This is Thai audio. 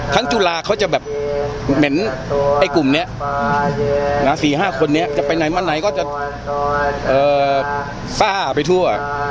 ครั้งจุฬาเขาจะแบบเหม็นไอ่กลุ่มเนี้ยนะสี่ห้าคนเนี้ยจะไปไหนมาไหนก็จะฟ้าไปทั่ว